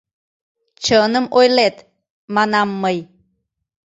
— Чыным ойлет, — манам мый.